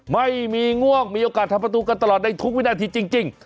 ม่วงมีโอกาสทำประตูกันตลอดในทุกวินาทีจริง